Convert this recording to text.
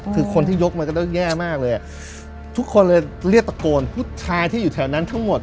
คือคนที่ยกมันก็ต้องแย่มากเลยอ่ะทุกคนเลยเรียกตะโกนผู้ชายที่อยู่แถวนั้นทั้งหมด